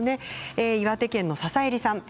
岩手県の方からです。